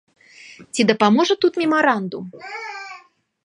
Ці дапаможа тут мемарандум?